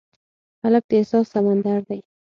هلک د احساس سمندر دی.